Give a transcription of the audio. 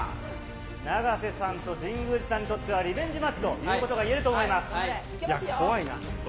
永瀬さんと神宮寺さんにとってはリベンジマッチということがいえ怖いな、ちょっと。